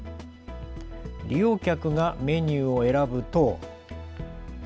利用客がメニューを選ぶと。